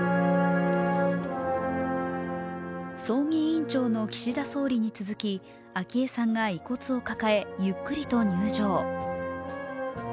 葬儀委員長の岸田総理に続き、昭恵さんが遺骨を抱え、ゆっくりと入場。